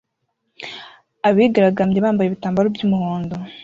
Abigaragambyaga bambaye ibitambaro byumuhondo